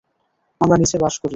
আমরা নীচে বাস করি।